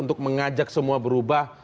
untuk mengajak semua berubah